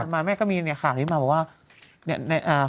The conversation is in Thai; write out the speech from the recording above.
แม่ก็มีข่าวนี้มาบอกว่า